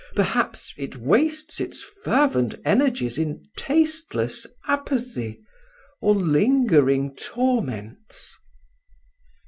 perhaps, it wastes its fervent energies in tasteless apathy, or lingering torments."